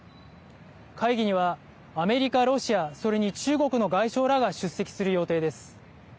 会議にはアメリカ、ロシアそれに中国の外相らが出席する予定です。